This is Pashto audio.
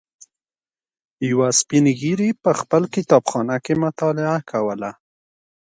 یوه سپین ږیري په خپل کتابخانه کې مطالعه کوله.